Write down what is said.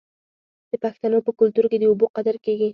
د پښتنو په کلتور کې د اوبو قدر کیږي.